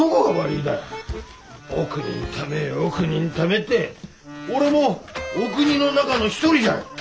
お国のためお国のためって俺もお国の中の一人じゃん！